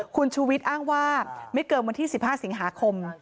คุณชูวิทย์อ้างว่าไม่เกินวันที่๑๕สิงหาคม